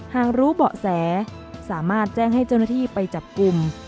หากรู้เบาะแสสามารถแจ้งให้เจ้าหน้าที่ไปจับกลุ่ม